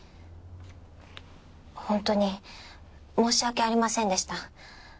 ホントに申し訳ありませんでした。